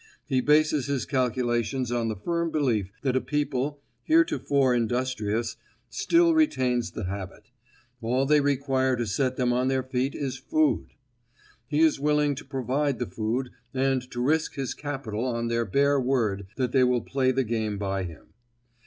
He bases his calculations on the firm belief that a people, heretofore industrious, still retains the habit; all they require to set them on their feet is food. He is willing to provide the food and to risk his capital on their bare word that they will play the game by him.